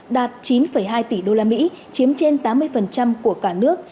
đạt chín hai tỷ đô la mỹ chiếm trên tám mươi của cả nước